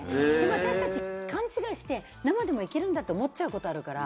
私達、勘違いして生でもいけるんだと思っちゃうことあるから。